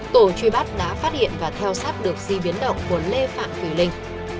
tổ truy bắt đã phát hiện và theo sắp được di biến động của lê phạm thùy linh